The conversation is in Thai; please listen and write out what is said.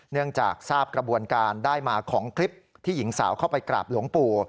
เนื่องจากทราบกระบวนการได้มาของคลิปที่หญิงสาวเข้าไปกราบหลวงปู่